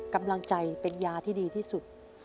กำลังใจเป็นยาที่ดีที่สุด